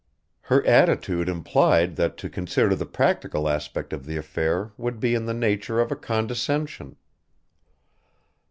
Her attitude implied that to consider the practical aspect of the affair would be in the nature of a condescension.